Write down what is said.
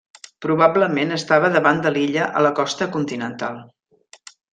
Probablement estava davant de l'illa a la costa continental.